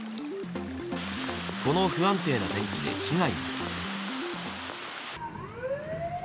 この不安定な天気で被害も。